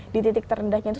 di titik terendahnya tuh